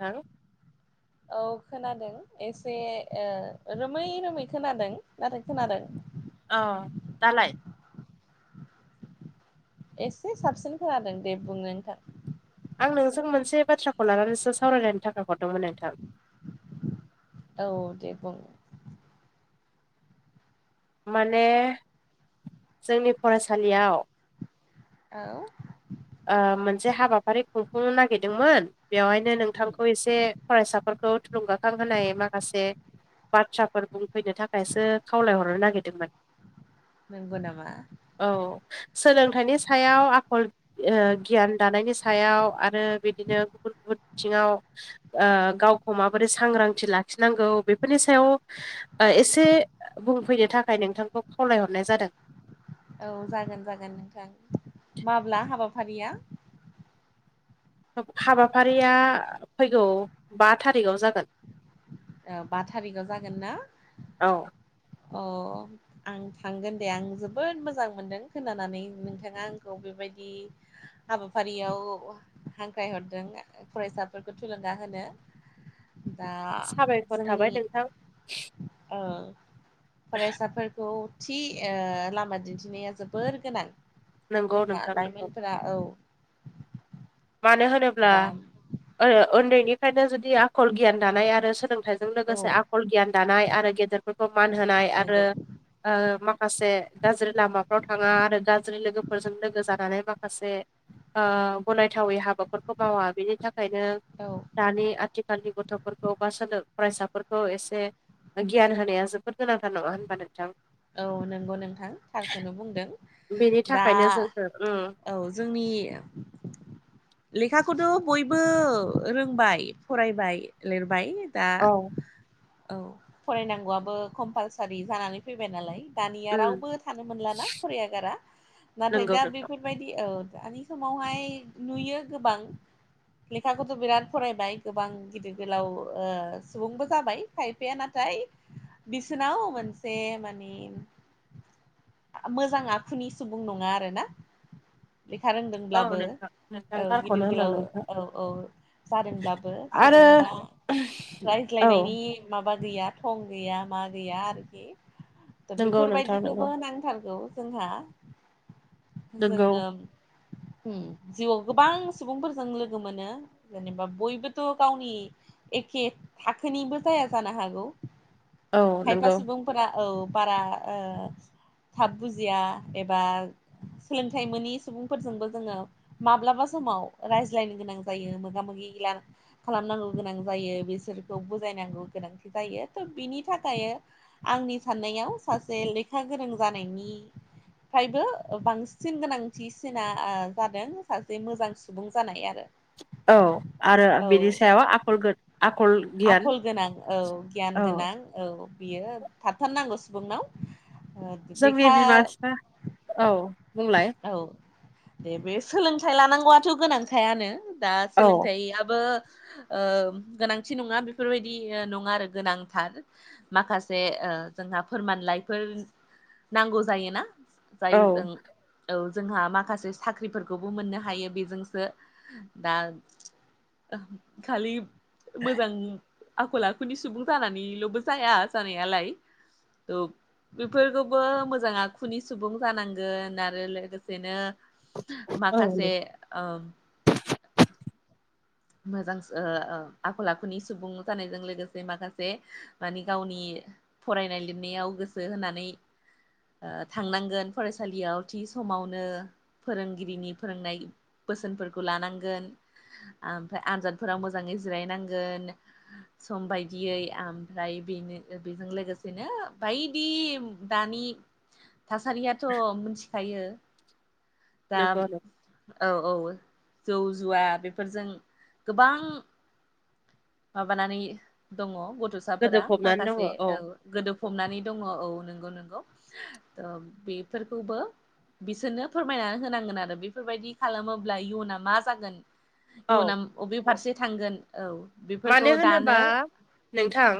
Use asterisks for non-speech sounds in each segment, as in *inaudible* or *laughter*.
नोंथां *inaudible* औ खोनादों एसे रोमै रोमै ओ खोनादों नाथाय खोनादों। औ दालाय एसे साबसिन खोनादों दे बुंनो नोंथां। आं नोंजों मोनसे बाथ्राखौ लानानैसो सावरायलायनो थाखाय हरदोंमोन नोंथां। औ दे बुं। माने जोंनि फरायसालियाव औ ओ मोनसे हाबाफारि खुंफुंनो नागिरदोंमोन बेवहायनो उम नोंथांखौ एसे फरायसाफोरखौ थुलुंगाखां होनाय माखासे बाथ्राफोर बुंफैनो थाखायसो खावलायहरनो नागिरदोंमोन। नोंगौ नामा? औ सोलोंथाइनि सायाव आखल गियान दानायनि सायाव आरो बिदिनो गुबुन गुबुन बिथिङाव गावखौ माबोरै सांग्रांथि लाखिनांगौ बेफोरनि सायाव एसे बुंफैनो थाखाय नोंथांखौ खावलायहरनाय जादों। औ जागोन जागोन नोंथां माब्ला हाबाफारिया हाबाफारिया फैगौ बा थारिखआव जागोन। बा थारिखआव जागोन ना औ अ'। आं थांगोन दे आं जोबोद मोजां मोनदों खोनानानै नोंथाङा आंखौ बेबायदि हाबाफारियाव हांख्रायहरदों फरायसाफोरखौ थुलुंगा होनो। दा साबायखर जोंनि थाबाय नोंथां ओ फरायसाफोरखौ थि ओ लामा दिन्थिनाया जोबोर गोनां। नंगौ जोंहा नोंथां नंगौ लाइमोनफोरा औ। मानो होनोब्ला दा औ उन्दैनिफ्रायनो जुदि आखल गियान दानाय आरो सोलोंथाइ जों लोगोसे आखल गियान दानाय आरो गेदेरफोरखौ मान होनाय आरो नंगौ ओ माखासे गाज्रि लामाफ्राव थाङा आरो गाज्रि लोगोफोरजों लोगो जानानै माखासे ओ गनायथावै हाबाफोरखौ मावा बेनि थाखायनो औ दानि आथि खालनि गथ'फोरखौ बा सोलो फरायसाफोरखौ एसे गियान होनाया जोबोद गोनांथार नङा होनबा नोंथां। औ नंगौ नोंथां थारखौनो बुंदों। बेनि दा थाखायनो जोङो उम औ जोंनि लेखाखौथ' बयबो रोंबाय फरायबाय लिरबाय दा औ औ फरायनांगौआबो कमपालसारि जानानै फैबाय नालाय। दानिया उम रावबो थानो मोनलाना फराया गारा नाथाय नंगौ दा नोंथां बेफोर बेफोरबायदि औ दानि समावहाय नुयो गोबां लेखाखौथ' बिराद फरायबाय गोबां गिदिर गोलाव सुबुंबो जाबाय। खायफाया नाथाय बिसोनाव मोनसे मानि मोजां आखुनि सुबुं नङा आरो ना। लेखा औ रोंदोंब्लाबो नोंथां नोंथां औ थारखौनो गिदिर होनदों गोलाव नोंथां औ औ जादोंब्लाबो आरो सोरजोंबा औ रायज्लायनायनि माबा गैया थं गैया मा गैया आरोखि। दा नंगौ नोंथां नंगौ बेफोरबायदिखौबो नांथारगौ जोंहा। नोंगौ जोङो उ जिउआव गोबां सुबुंफोरजों लोगो मोनो जेनेबा बयबोथ' गावनि एखे थाखोनिबो जाया जानो हागौ। औ खायफा नंगौ सुबुंफोरा औ बारा ओ थाब बुजिया एबा सोलोंथाइ मोनि सुबुंफोरजोंबो जोङो माब्लाबा समाव रायज्लायनो गोनां जायो मोगा मोगि खालामनांगौ गोनां जायो बिसोरखौ बुजायनांगौ गोनांथि जायो थ' बिनि थाखायो आंनि साननायाव सासे लेखा गोरों जानायनि फ्रायबो बांसिन गोनांथिसिना ओ जादों सासे मोजां सुबुं जानाय आरो। औ आरो औ बिनि सायाव आखलखो आखल गियान आखल गोनां औ गियान औ गोनां औ बियो थाथारनांगौ सुबुंनाव। जोंनि लेखा बिमा फिफा औ बुंलाय औ दे बे सोलोंथाइ लानांगौआथ' गोनांखायानो। दा औ सोलोंथाइयाबो ओ गोनां थि नङा बेफोरबायदि ओ नङा आरो गोनांथार माखासे ओ जोंहा फोरमानलाइफोर नांगौ जायोना औ जायजों औ जोंहा माखासे साख्रिफोरखौबो मोननो हायो बेजोंसो दा खालि मोजां आखल आखुनि सुबुं जानानैल'बो जाया जानायालाय औ बेफोरखौबो मोजां आखुनि सुबुं जानांगोन आरो लोगोसेनो औ माखासे नंगौ ओ मोजांसो ओ ओ आखल आखुनि सुबुं जानायजों लोगोसे माखासे माने गावनि फरायनाय लिरनायाव गोसो होनानै थांनांगोन फरायसालियाव थि समावनो फोरोंगिरिनि फोरोंनाय बोसोनफोरखौ लानांगोन। ओमफ्राय आनजादफोरा मोजाङै जिरायनांगोन सम बायदियै ओमफ्राय बेनो बेजों लोगोसेनो बायदि दानि थासारियाथ' मिथिखायो दा नंगौ औ औ जौ जुवा बे फोरजों गोबां माबानानै दङ गथ' साफोरा गोदोफबनानै दङ माखासे औ गोदोफबनानै दङ औ नंगौ नंगौ त' बेफोरखौबो बिसोरनो फोरमायनानै होनांगोन आरो बेफोरबायदि खालामोब्ला इयुना मा जागोन औ इयुनाव बबे फारसे थांगोन औ बेफोरखौ मानो होनोबा दानो नोंथां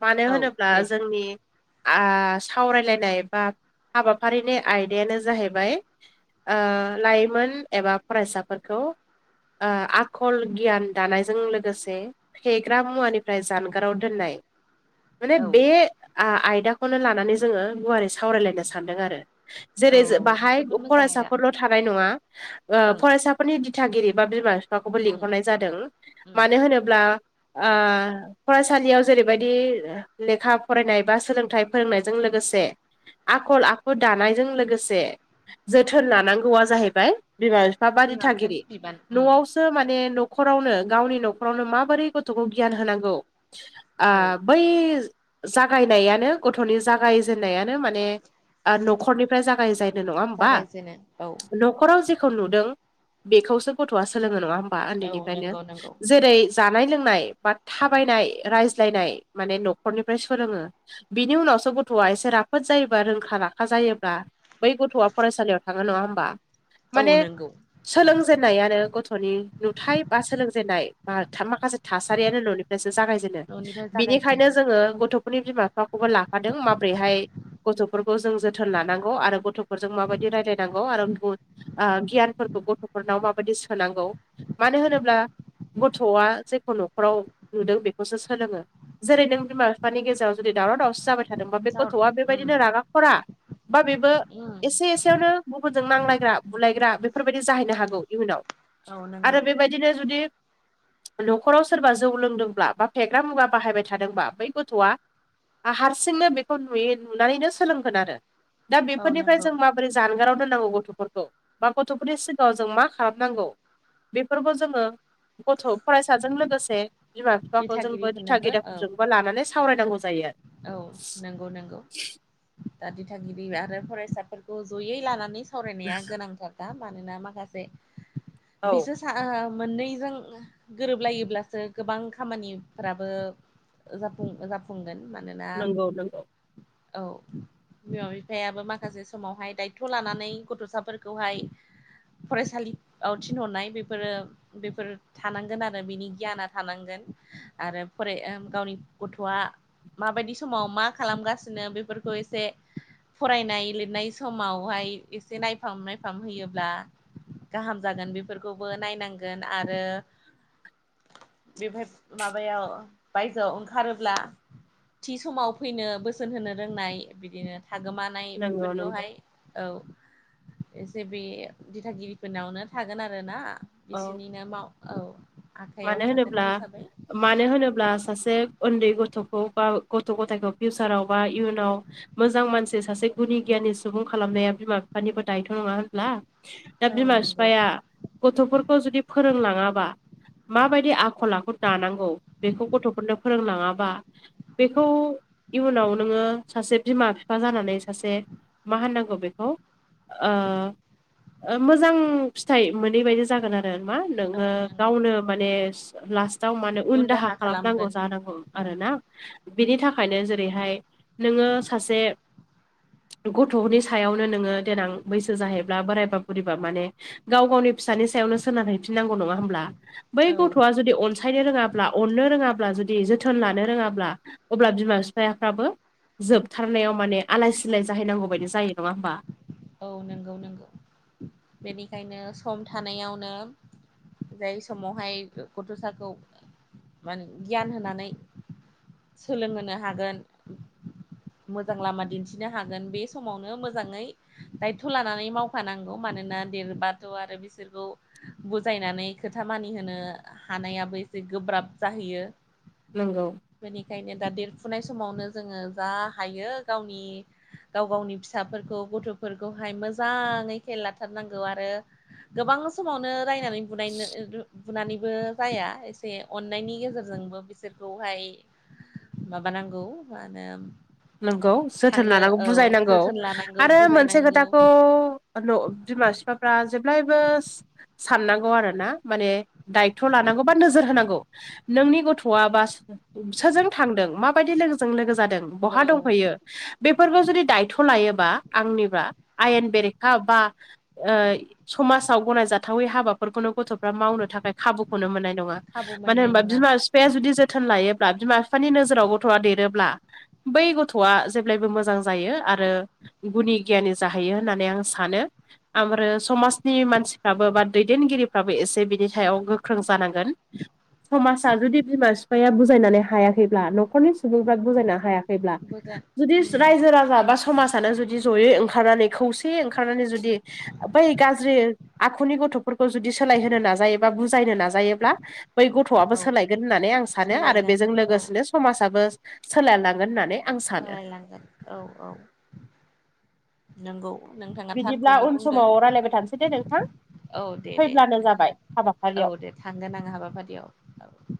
मानो औ होनोब्ला दे बुं जोंनि आ सावरायलायनाय बा हाबाफारिनि आयदायानो जाहैबाय ओ लाइमोन एबा फरायसाफोरखौ आ आखल गियान दानायजों लोगोस थे फेग्रा मुवानिफ्राय जानगाराव दोननाय माने औ बे आ- आयदाखौनो लानानै जोङो गुवारै सावरायलायनो सानदों आरो। औ जेरै बाहाय जोबोद मोजां आयदा फरायसाफोरल' थानाय नङा ओ ओं फरायसाफोरनि दिथागिरि बा बिमा फाखौबो ओं लिंहरनाय जादों ओम मानो होनोब्ला ओ फरायसालियाव जेरैबायदि लेखा फरायनाय बा सोलोंथाइ फोरोंनायजों लोगोसे आखल आखु दानायजों लोगोसे जोथोन लानांगौआ जाहैबाय बिमा बिफ बा बा बिमा बिफानि दिथागिरि बिबान ओम न'आव नो माने न'खरावनो गावनि न'खरावनो माबोरै गथ'खौ गियान होनांगौ आ औ बै जागायनायानो गथ'नि जागायजेनन्नायानो माने न'खरनिफ्राय जागायजायनाय नङा होमबा? जागायजेनो औ न न'खराव जेखौ नुदों बेखौसो गथ'आ सोलोङो नङा होमबा औ उन्दैनिफ्रायनो? नंगौ नंगौ जेरै जानाय लोंनाय बा थाबायनाय रायज्लायनाय माने न'खरनिफ्राय सोलोङो। बिनि उनावसो गथ'आ एसे राफोद जायोबा रोंखा राखा जायोब्ला बै गथ'आ फरायसालियाव थाङो नङा होमबा? औ माने नंगौ सोलोंजेनन्नायानो गथ'नि नुथाय बा सोलोंजेनन्नाय माखासे थासारियानो न'निफ्रायसो जागायजेनो। न'निफ्राय बिनिखायनो जागायजेनो जोङो गथ' खरनि बिमा बिफाखौबो लाफादों माबोरैहाय गथ'फोरखौ जों जोथोन लानांगौ आरो गथ'फोरजों माबायदि रायलायनांगौ आरो आ गियानफोरखौ गथ'फोरनाव माबायदि सोनांगौ मानो होनोब्ला गथ'आ जेखौ न'खराव नुदों बेखौसो सोलोङो जेरै नों बिमा बिफानि गेजेराव जुदि दावराव दावसि जाबाय थादोंबा बे जा गथ'आ ओम बेबायदिनो रागा खरा बा बेबो ओम एसे एसेयावनो गुबुनजों नांलायग्रा बुलायग्रा बेफोरबायदि जाहैनो हागौ औ इयुनाव नंगौ आरो बेबायदिनो जुदि न'खराव सोरबा जौ लोंदोंब्ला बा फेग्रा मुवा बाहायबाय थादोंबा बै गथ'आ हारसिंनो बेखौ नुय नुनानैनो सोलोंगोन आरो दा औ बेफोरनिफ्राय नंगौ जों माबो बोरै जानगाराव दोननांगौ गथ'फोरखौ बा गथ'फोरनि सिगाङाव जों मा खालामनांगौ? बेफोरखौ जोङो गथ' फरायसाजों लोगोसे बिमा बिखौ जोंबो दिथा दिथागिरिफोरनोबो औ गेदेरफोरजोंबा लानानै सावरायनांगौ जायो। औ नंगौ नंगौ दा दिथागिरि आरो फरायसाफोरखौ जयै लानानै सावरायनाया गोनांथार दा मानोना माखासे बि औ मोननैजों गोरोबलायोब्लासो गोबां खामानिफ्राबो जाफुं जाफुंगोन मानोना नंगौ नंगौ औ बिमा बिफायाबो माखासे समावहाय दायथ' लानानै गथ'साफोरखौहाय फरायसालियाव थिनहरनाय बेफोरो बेफोर थानांगोन आरो बिनि गियाना थानांगोन आरो फराय ओ गावनि गथ'आ माबायदि समाव मा खालामगासिनो बेफोरखौ एसे फरायनाय लिरनाय समावहाय एसे नायफाम नायफाम होयोब्ला गाहाम जागोन बेफोरखौबो नायनांगोन आरो बेहाय माबायाव बायजोआव ओंखारोब्ला थि समाव फैनो बोसोन होनो रोंनाय बिदिनो थागोमानाय नंगौ नंगौ बेफोरखौहाय औ एसे बे दिथागिरिफोरनावनो थागोन आरो ना औ बिसोरनिनो माव औ आखाइयाव मानो थागोन होनोब्ला हिसाबै मानो होनोब्ला सासे उन्दै गथ'खौ बा गथ' गथायखौ फिउचाराव बा इयुनाव मोजां मानसि सासे गुनि गियााननि सुबुं खालामनाया बिमा बिफानिबो दायथ' नङा होनब्ला? दा औ बिमा नंगौ बिफाया गथ'फोरखौ जुदि फोरोंलाङाबा माबायदि आखल आखु दानांगौ बेखौ गथ'फोरनो फोरोंलाङाबा बेखौ इयुनाव नोङो सासे बिमा बिफा जानानै सासे मा होननांगौ बेखौ ओ मोजां फिथाइ मोनैबायायदि जागोन आरो। मा औ नोङो नंगौ गावनो माने लास्टाव माने उन दाहा खालामनांगौ जानांगौ उम आरोना। बिनि थाखायनो जेरैहाय नोङो सासे गथ'नि सायावनो नोङो देनां बैसो जाहैब्ला बोरायबा बोरैबा माने गाव गावनि फिसानि सायावनो सोनार हैैफिननांगौ नङा होमब्ला बै औ गथ'आ जुदिन आखायनो रोङाब्ला अननो रोङाब्ला जुदि जोथोन लानो रोङाब्ला अब्ला बिमा बिफायाफ्राबो जोबथारनायाव माने आलाय सिलाय जाहैनांगौ बायदि जायो नङा होमबा? औ नंगौ नंगौ बेनिखायनो सम थानायावनो जाय समावहाय गथ'साखौ मान गियान होनानै सोलोंहोनो हागोन। मोजां लामा दिन्थिनो हागोन बे समावनो मोजाङै दायथ' लानानै मावफानांगौ मानोना देरबाथ' आरो बिसोरखौ बुजायनानै खोथा मानिहोनो हानायाबो एसे गोब्राब जाहैयो। नंगौ। बेनिखायनो दा देरफुनाय समावनो जोङो जा हायो गावनि गाव गावनि फिसाफोरखौ गथ'फोरखौहाय मोजाङै खेल लाथारनांगौ आरो गोबां समावनो रायनानै बुनायनो बुनानैबो जाया एसे अन्नायनि गेजेरजोंबो बिसोरखौहाय माबानांगौ मा होनो नोंगौ जोथोन थांनो लानांगौ औ बुजायनांगौ जोथोन लानांगौ आरो मोनसे बुजायनांगौ खोथाखौ न बिमा बिफाफ्रा जेब्लायबो साननांगौ आरो ना माने दायथ' लानांगौ बा नोजोर होनांगौ। नोंनि गथ'आ बास सोरजों थांदों माबायदि लोगोजों लोगो जादों। बहा औ दंहैयो बेफोरखौ जुदि दायथ' लायोबा आंनिबा आयेन बेरेखा बा ओ समाजाव गनायजाथावै हाबाफोरखौनो गथ'फ्रा मावनो थाखाय खाबुखौनो मोननाय नङा। खाबु मानो मोननाय होनबा नङा बिमा बिफाया औ जुदि जोथोन लायोब्ला बिमा बिफानि नोजोराव गथ'आ देरोब्ला। बै गथ'आ जेब्लायबो मोजां जायो आरो। गुनि गियानि जाहैयो होननानै आं सानो। आमोरो समाजनि मानसिफ्राबो बा दैदेनगिरिफ्राबो एसे बिनि सायाव गोख्रों जानांगोन। समाजा जुदि बिमा बिफाया बुजायनानै हायाखैब्ला न'खरनि सुबुंफ्रा बुजायनो हायाखै ब्ला बुजाय जुदि उम रायजो राजा बा समाजानो जुदि जयै ओंखारनानै खौसेयै ओंखारनानै जुदि बै गाज्रि आखुनि गथ'फोरखौ जुदि सोलायहोनो नाजायोबा बुजायनो नाजायो जायोब्ला बै गथ'आबो औ सोलायगोन होननानै आं सानो आरो सोलायगोन बेजों औ लोगोसेनो समाजाबो सोलायलांगोन होननानै आं सानो सोलायलांगोन औ औ। नंगौ नोंथाङा बिदिब्ला थारखौनो उन बुंदों। समाव रायलायबाय थानोसै दे नोंथां औ दे दे फैब्लानो नोंथां जाबाय हाबाफारियाव औ दे थांगोन आं हाबाफारियाव औ।